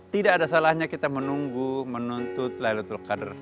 tidak ada salahnya kita menunggu menuntut laylatul qadar